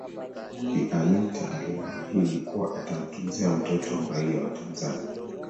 Bi Anita alimuahidi kuwa atamtunzia mtoto uraia wa Tanzania